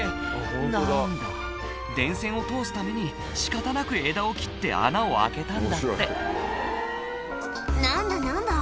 なんだ電線を通すために仕方なく枝を切って穴を開けたんだって何だ何だ？